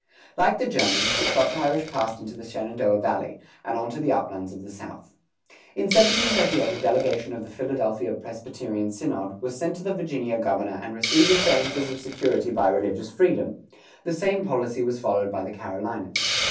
Like the Germans, the Scotch Irish passed into the Shenandoah Valley,[105:2] and on to the uplands of the South. In 1738 a delegation of the Philadelphia Presbyterian synod was sent to the Virginia governor and received assurances of security of religious freedom; the same policy was followed by the Carolinas.